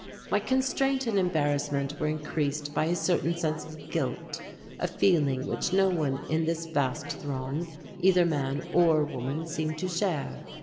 My constraint and embarrassment were increased by a certain sense of guilt, a feeling which no one in this vast throng, either man or woman, seemed to share.